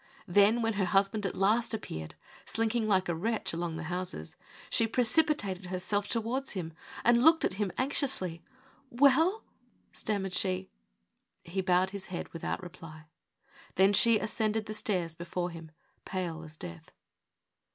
Then, when her husband at last appeared, slinking like a wretch along the houses, she precipitated herself towards him, and looked at him anxiously. " W ell ?" stammered she. He bowed his head without reply. Then she ascended the stairs before him, pale as death.